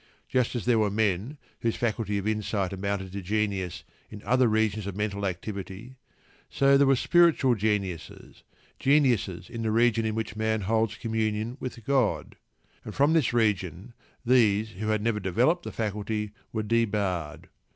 Just as there were men whose faculties of insight amounted to genius in other regions of mental activity, so there were spiritual geniuses, geniuses in the region in which man holds communion with God, and from this region these who had never developed the faculty were debarred.